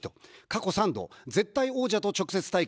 過去３度、絶対王者と直接対決。